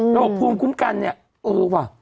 ระบบภูมิคุ้มกันเนี่ยเออว่ะ